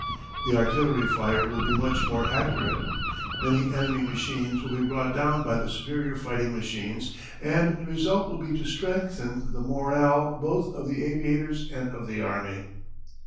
The artillery fire will be much more accurate. Many enemy machines will be brought down by the superior fighting machines and the result will be to strengthen the morale both of the aviators and of the army."